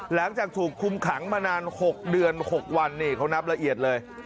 หลังจากถูกคุมขังมานาน๖เดือน๖วันนี่เขานับละเอียดเลย